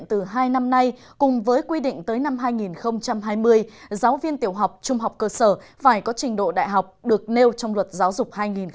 từ hai năm nay cùng với quy định tới năm hai nghìn hai mươi giáo viên tiểu học trung học cơ sở phải có trình độ đại học được nêu trong luật giáo dục hai nghìn hai mươi